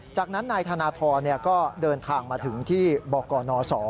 จากนั้นนายธนทรก็เดินทางมาถึงที่บกนศ